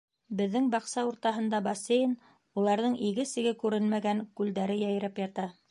Беҙҙең баҡса уртаһында — бассейн, уларҙың иге-сиге күренмәгән күлдәре йәйрәп ята.